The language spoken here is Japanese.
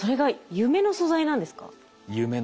夢の素材なんです。